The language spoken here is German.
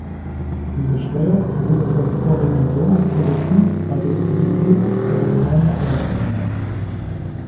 Diese Steuer wurde vom "Corregidor" kollektiv bei den Indigenas einer Gemeinde eingetrieben.